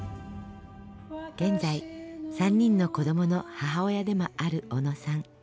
現在３人の子どもの母親でもある小野さん。